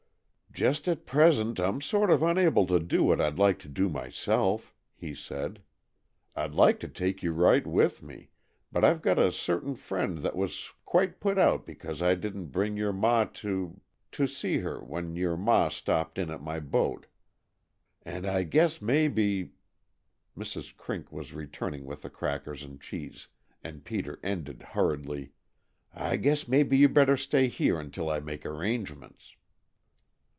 "Just at present I'm sort of unable to do what I'd like to do myself," he said. "I'd like to take you right with me, but I've got a certain friend that was quite put out because I didn't bring your ma to to see her when your ma stopped in at my boat, and I guess maybe" Mrs. Crink was returning with the crackers and cheese, and Peter ended hurriedly "I guess maybe you better stay here until I make arrangements."